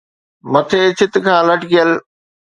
مٿي ڇت کان لٽڪيل